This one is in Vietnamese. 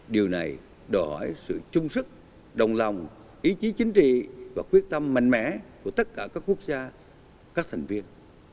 điều này đòi hỏi sự chung sức đồng lòng ý chí chính trị và quyết tâm mạnh mẽ của tất cả các quốc gia các thành viên